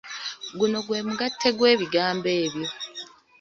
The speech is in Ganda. Guno gwe mugattte gw'ebigamba ebyo.